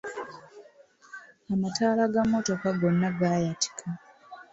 Amataala ga mmotoka gonna gaayatika.